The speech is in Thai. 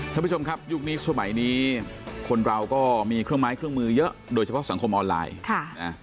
ท่านผู้ชมครับยุคนี้สมัยนี้คนเราก็มีเครื่องไม้เครื่องมือเยอะโดยเฉพาะสังคมออนไลน์